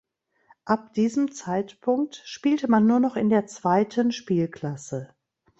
Ab diesem Zeitpunkt spielte man nur noch in einer zweiten Spielklasse.